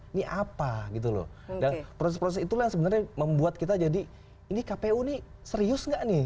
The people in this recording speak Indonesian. ini apa gitu loh dan proses proses itulah yang sebenarnya membuat kita jadi ini kpu ini serius nggak nih